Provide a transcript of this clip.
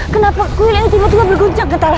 kenapa kuil ini tiba tiba berguncang gentara